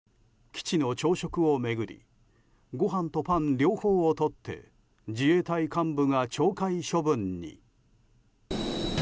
基地の朝食を巡りご飯とパン両方をとって自衛隊幹部が懲戒処分に。